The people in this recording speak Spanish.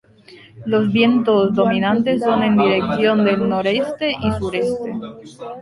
Los vientos dominantes son en dirección del noroeste y sureste.